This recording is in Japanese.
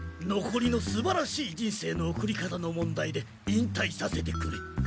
のこりのすばらしい人生の送り方の問題で引退させてくれ。